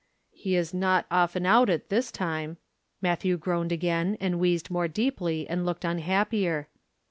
"He is not often out at this time." Matthew groaned again, and wheezed more deeply, and looked unhappier.